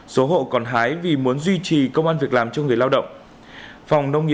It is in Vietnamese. số hộ còn hái vì muốn duy trì công an việc làm cho người lao động